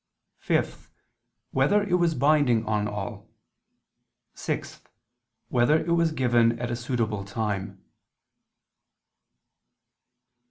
(5) Whether it was binding on all? (6) Whether it was given at a suitable time?